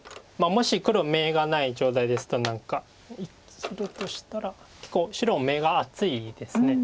もし黒眼がない状態ですと何か生きるとしたら結構白も眼が厚いです。